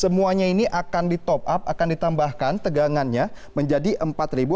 semuanya ini akan ditop up akan ditambahkan tegangannya menjadi empat v ampere